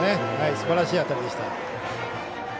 すばらしい当たりでした。